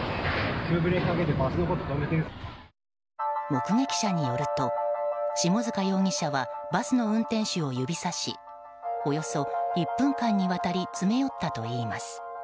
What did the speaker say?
目撃者によると下塚容疑者はバスの運転手を指さしおよそ１分間にわたり詰め寄ったといいます。